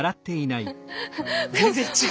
全然違う。